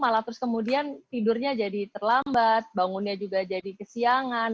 malah terus kemudian tidurnya jadi terlambat bangunnya juga jadi kesiangan